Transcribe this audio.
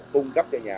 cung cấp cho nhà